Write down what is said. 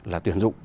là tuyển dụng